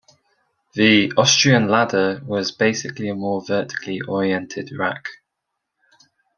The "Austrian Ladder" was basically a more vertically oriented rack.